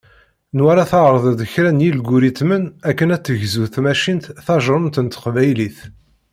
Nwala tɛerḍeḍ kra n yilguritmen akken ad tegzu tmacint tajerrumt n teqbaylit.